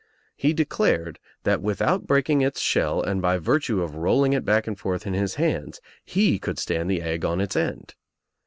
He declared that without breaking its shell and by virtue of rolling it back and forth in his hands he could stand the egg on Its end.